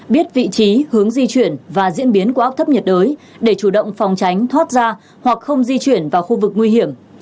biết vị trí hướng di chuyển và diễn biến của áp thấp nhiệt đới để chủ động phòng tránh thoát ra hoặc không di chuyển vào khu vực nguy hiểm